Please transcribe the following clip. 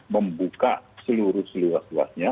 membuka seluruh seluas luasnya